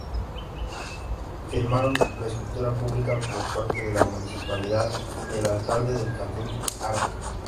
Firmaron la escritura pública por parte de la Municipalidad, el alcalde del cantón, Arq.